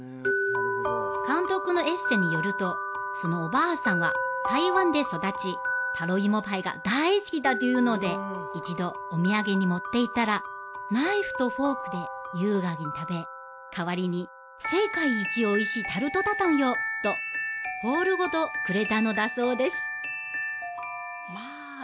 監督のエッセーによるとそのおばあさんは台湾で育ちタロイモパイが大好きだというので一度お土産に持っていったらナイフとフォークで優雅に食べ代わりに「世界一おいしいタルトタタンよ」とホールごとくれたのだそうです